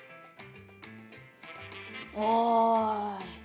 おい。